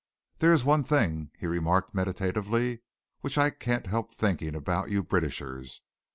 "There is one thing," he remarked meditatively, "which I can't help thinking about you Britishers.